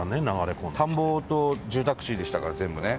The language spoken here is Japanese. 田んぼと住宅地でしたから全部ね。